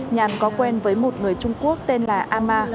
nhàn có quen với một người trung quốc tên là ama